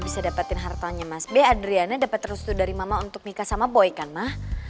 bisa dapetin hartanya mas b adriana dapat restu dari mama untuk nikah sama boy kan mah